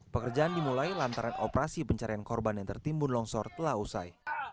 pekerjaan dimulai lantaran operasi pencarian korban yang tertimbun longsor telah usai